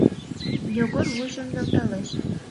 Йогор вуйжым нӧлталеш.